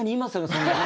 そんなね。